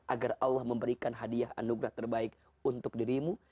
agar allah memberikan hadiah anugerah terbaik untuk dirimu